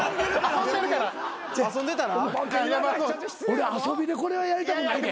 俺遊びでこれはやりたくないで。